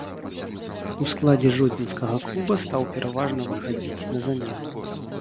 У складзе жодзінскага клуба стаў пераважна выхадзіць на замену.